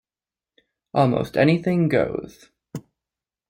Almost Anything Goes!